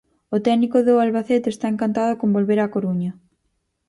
O técnico do Albacete está encantado con volver á Coruña.